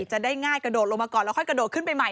จะได้ง่ายกระโดดลงมาก่อนแล้วค่อยกระโดดขึ้นไปใหม่